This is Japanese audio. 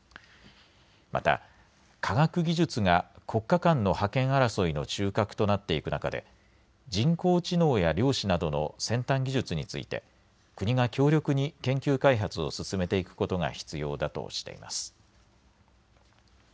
また科学技術が国家間の覇権争いの中核となっていく中で人工知能や量子などの先端技術について国が強力に研究開発を進めていくことが必要だとしています。